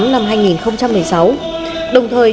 năm hai nghìn một mươi sáu đồng thời